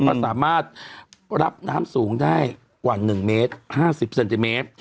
ก็สามารถรับน้ำสูงได้กว่า๑เมตร๕๐เซนติเมตร